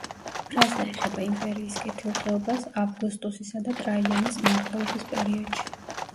ფრაზა ეხება იმპერიის კეთილდღეობას ავგუსტუსისა და ტრაიანეს მმართველობის პერიოდებში.